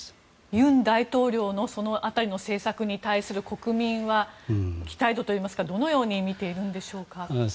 尹大統領のその辺りの政策に対する国民は期待度といいますかどのように見ているんでしょうか。